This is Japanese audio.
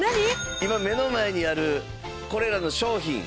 今目の前にあるこれらの商品。